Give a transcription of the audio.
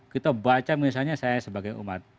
kita baca misalnya saya sebagai umat